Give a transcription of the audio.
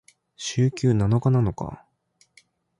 週休七日なのか？